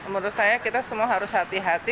menurut saya kita semua harus hati hati